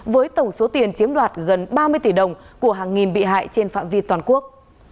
với tổng số tiền chiếm đoạt gần ba mươi tỷ đồng của hàng nghìn bị hại trên phạm vi toàn quốc